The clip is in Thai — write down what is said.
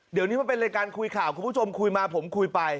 เดี๋ยวนี้มันเป็นรายการคุยข่าวคุณผู้ชมคุยมาผมคุยไป